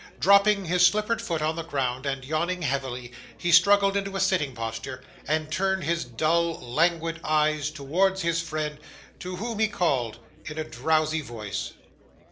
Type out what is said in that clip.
Dropping his slippered foot on the ground, and, yawning heavily, he struggled into a sitting posture, and turned his dull languid eyes towards his friend, to whom he called in a drowsy voice.